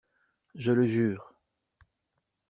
Je le jure.